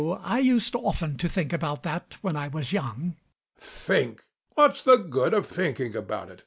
I used often to think about that when I was young. HECTOR. Think! What's the good of thinking about it?